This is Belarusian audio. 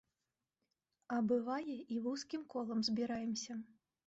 А бывае, і вузкім колам збіраемся.